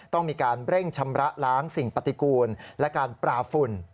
ต้องมีการเร่งชำระล้างสิ่งปฏิกูลและการปราฝุ่น